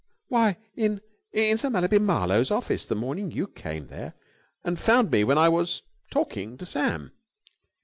"Why, in in Sir Mallaby Marlowe's office, the morning you came there and found me when I was talking to Sam."